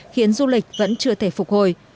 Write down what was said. khiến du lịch vẫn chưa thể phục hồi